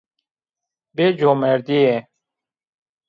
Bê comerdîye!